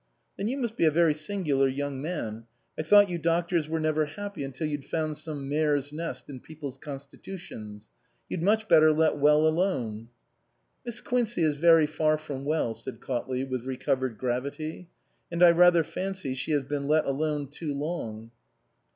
" Then you must be a very singular young man. I thought you doctors were never happy until you'd found some mare's nest in people's constitutions? You'd much better let well alone." "Miss Quincey is very far from well," said Cautley with recovered gravity " and I rather fancy she has been let alone too long."